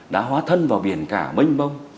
đã hóa thân vào biển cả mênh bông